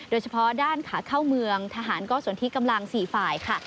โดยเฉพาะด้านขาเข้าเมืองทหารก็ส่วนที่กำลัง๔ฝ่ายค่ะ